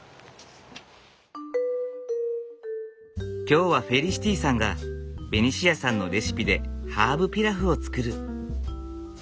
今日はフェリシティさんがベニシアさんのレシピでハーブピラフを作る。